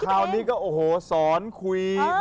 คราวนี้ก็โอ้โหสอนคุย